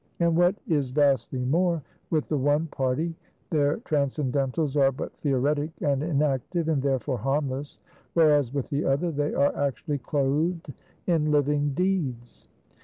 And what is vastly more with the one party, their Transcendentals are but theoretic and inactive, and therefore harmless; whereas with the other, they are actually clothed in living deeds.